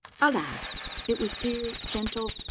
Alas ! it was dear, gentle.